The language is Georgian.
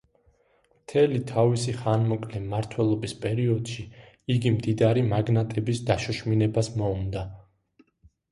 მთელი თავისი ხანმოკლე მმართველობის პერიოდში იგი მდიდარი მაგნატების დაშოშმინებას მოუნდა.